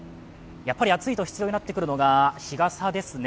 やっぱり暑いと必要になってくるのが日傘ですね。